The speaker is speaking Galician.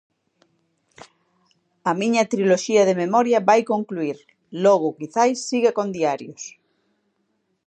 A miña triloxía da memoria vai concluír; logo quizais siga con diarios.